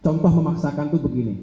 contoh memaksakan tuh begini